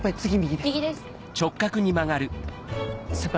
先輩